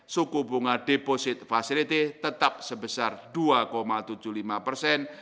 suku bunga deposit facility tetap sebesar dua tujuh puluh lima persen